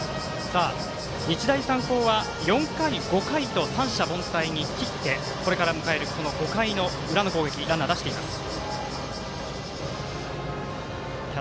日大三高は４回、５回と三者凡退に切ってこれから迎える５回の裏の攻撃ランナー出しています。